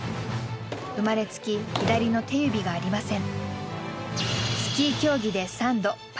生まれつき左の手指がありません。